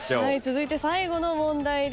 続いて最後の問題です。